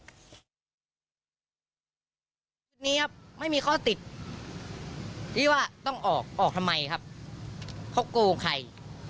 วันนี้ครับไม่มีข้อติดที่ว่าต้องออกออกทำไมครับเขาโกงใคร